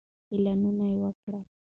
اعلانونه وکړئ.